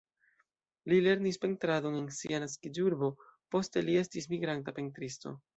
Li lernis pentradon en sia naskiĝurbo, poste li estis migranta pentristo.